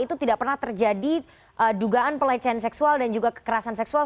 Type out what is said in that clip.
itu tidak pernah terjadi dugaan pelecehan seksual dan juga kekerasan seksual